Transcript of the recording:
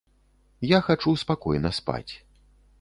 Я хачу спакойна спаць.